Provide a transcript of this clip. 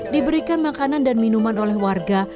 diberikan makanan dan minuman oleh warga